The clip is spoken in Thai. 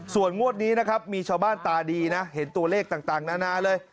ส่วนงวดนี้นะครับมีชาวบ้านตาดีนะเห็นตัวเลขต่างนานาเลย